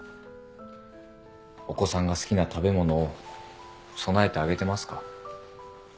お子さんが好きな食べ物を供えてあげてますか？